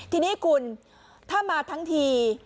ทีนี้คุณถ้ามาทั้งที